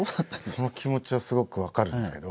その気持ちはすごく分かるんですけど。